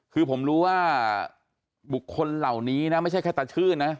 คือผมรู้ว่าบุคคลเหล่านี้นะไม่ใช่แค่ตาชื่นนะ